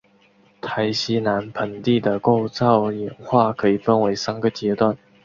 台西南盆地的构造演化可以分为三个阶段。